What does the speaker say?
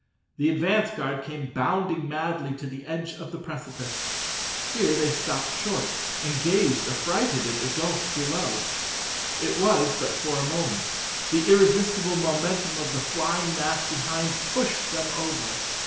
The advance guard came bounding madly to the edge of the precipice. Here they stopped short, and gazed affrighted at the gulf below. It was but for a moment. The irresistible momentum of the flying mass behind pushed them over.